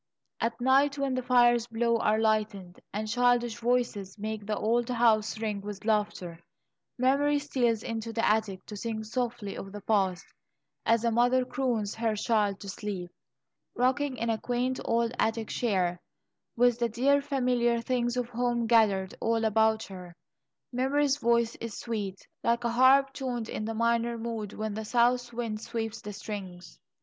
At night, when the fires below are lighted, and childish voices make the old house ring with laughter, Memory steals into the attic to sing softly of the past, as a mother croons her child to sleep. Rocking in a quaint old attic chair, with the dear familiar things of home gathered all about her, Memory's voice is sweet, like a harp tuned in the minor mode when the south wind sweeps the strings.